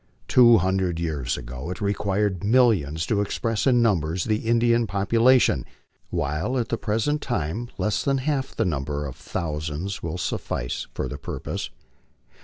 Two hundred years ago it required millions to express in numbers the Indian population, while at the present time less than half the number of thousands will suffice for the purpose.